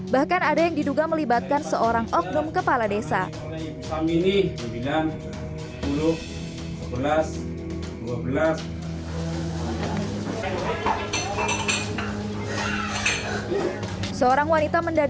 bahkan ada yang diduga melibatkan seorang oknum kepala desa